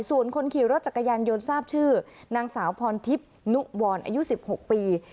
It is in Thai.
ส่วนคนขี่รถจักรยานยนต์ทราบชื่อนางสาวพรทิพย์นุวรอายุ๑๖ปี